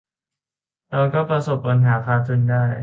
เราก็ประสบปัญหาขาดทุนได้